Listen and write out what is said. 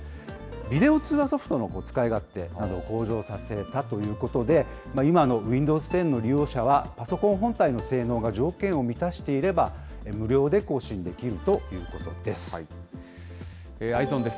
ビデオ通話ソフトの使い勝手などを向上させたということで、今のウィンドウズ１０の利用者は、パソコン本体の性能が条件を満たしていれば、無料で更新できるとＥｙｅｓｏｎです。